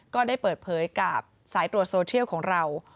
ก็ได้เปิดเผยกับสายตรวจโซเทียลของเรา